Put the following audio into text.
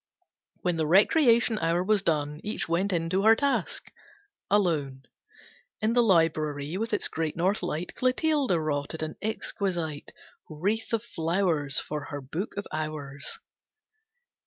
When the recreation hour was done Each went in to her task. Alone In the library, with its great north light, Clotilde wrought at an exquisite Wreath of flowers For her Book of Hours.